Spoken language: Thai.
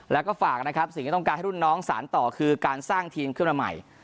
แล้วก็ฝากนะครับสิ่งที่ต้องการให้รุ่นน้องสารต่อคือการสร้างทีมขึ้นมาใหม่